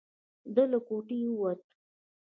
ده له کوټې ووت.